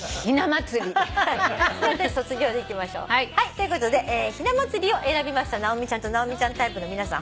ということで「ひな祭り」を選びました直美ちゃんと直美ちゃんタイプの皆さん